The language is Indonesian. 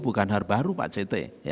bukan hal baru pak c t